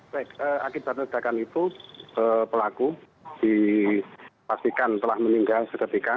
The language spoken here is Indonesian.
baik akhir akhir sedangkan itu pelaku dipastikan telah meninggal seketika